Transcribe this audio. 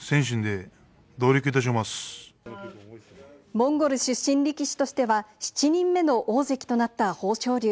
モンゴル出身力士としては７人目の大関となった豊昇龍。